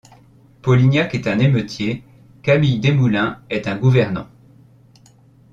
Polignac est un émeutier ; Camille Desmoulins est un gouvernant.